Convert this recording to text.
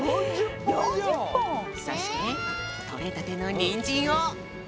そしてとれたてのニンジンを。